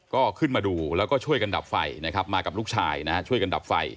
ก็ขึ้นมาดูแล้วก็ช่วยกันดับไฟนะครับมากับลูกชายนะฮะช่วยกันดับไฟ